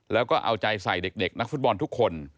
แล้วก็เอาใจใส่เด็กนักฟุตบอลทุกคน